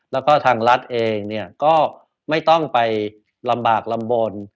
แล้วก็ทางรัฐเองเนี่ยก็ไม่ต้องไปลำบากลำบล